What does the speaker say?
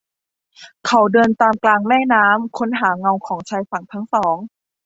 เขาเดินตามกลางแม่น้ำ ค้นหาเงาของชายฝั่งทั้งสอง